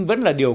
vẫn là điều